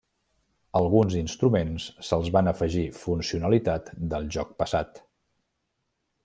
Alguns instruments se'ls van afegir funcionalitat del joc passat.